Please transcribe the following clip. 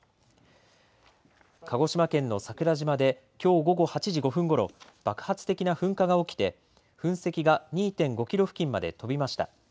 鹿児島県の桜島できょう午後８時５分ごろ爆発的な噴火が起きて噴石が２．５キロ付近まで飛びました。